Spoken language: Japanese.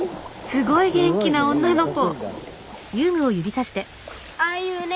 すごい元気な女の子。